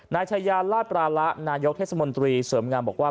นายชายาลาดปราละนายกเทศมนตรีเสริมงามบอกว่า